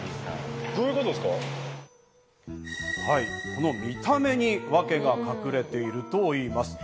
この見た目にワケが隠れているといいます。